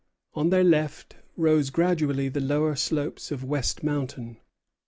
On their left rose gradually the lower slopes of West Mountain.